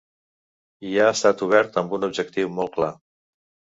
Hi ha estat obert amb un objectiu molt clar.